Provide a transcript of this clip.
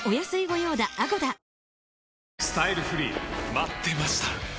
待ってました！